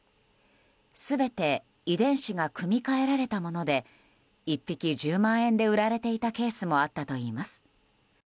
全て遺伝子が組み換えられたもので１匹１０万円で売られていたケースもあったといいます。